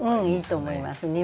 いいと思います